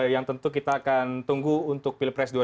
yang tentu kita akan tunggu untuk pilpres dua ribu sembilan belas